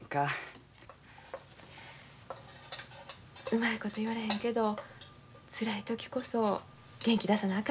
うまいこと言われへんけどつらい時こそ元気出さなあ